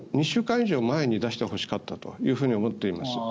週間以上前に出してほしかったと思っています。